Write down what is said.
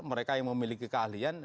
mereka yang memiliki keahlian